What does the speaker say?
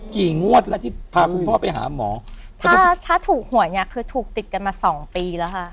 งวดแล้วที่พาคุณพ่อไปหาหมอถ้าถ้าถูกหวยเนี้ยคือถูกติดกันมาสองปีแล้วค่ะ